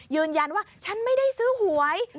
ยืนยันว่าฉันไม่ได้ซื้อหวย